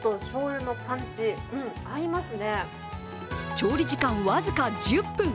調理時間、僅か１０分。